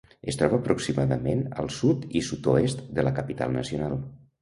Es troba aproximadament al sud i sud-oest de la capital nacional.